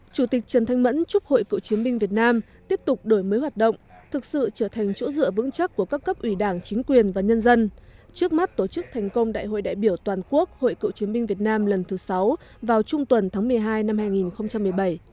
chủ tịch trần thanh mẫn chúc hội cựu chiến binh việt nam tiếp tục đổi mới hoạt động thực sự trở thành chỗ dựa vững chắc của các cấp ủy đảng chính quyền và nhân dân trước mắt tổ chức thành công đại hội đại biểu toàn quốc hội cựu chiến binh việt nam lần thứ sáu vào trung tuần tháng một mươi hai năm hai nghìn một mươi bảy